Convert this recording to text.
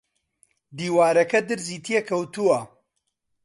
دیوارەکە درزی تێ کەوتووە